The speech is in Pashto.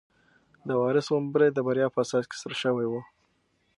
د وارث غومبوري د بریا په احساس کې سره شوي وو.